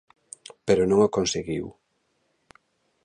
Pero non o conseguiu.